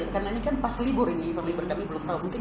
karena ini kan pas libur ini kami berdamping belum tahu